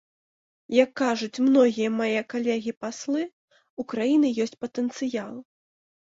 Як кажуць многія мае калегі-паслы, у краіны ёсць патэнцыял.